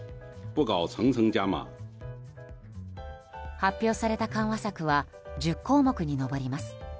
発表された緩和策は１０項目に上ります。